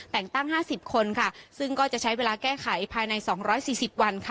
แต่งตั้งห้าสิบคนค่ะซึ่งก็จะใช้เวลาแก้ไขภายในสองร้อยสี่สิบวันค่ะ